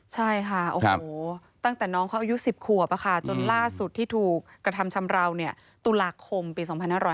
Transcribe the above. ใช่ค่ะโอ้โหตั้งแต่น้องเขาอายุ๑๐ขวบจนล่าสุดที่ถูกกระทำชำราวตุลาคมปี๒๕๕๙